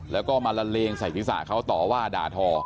แล้วก็มาละเลงใส่ศีรษะเขาต่อว่าด่าทอ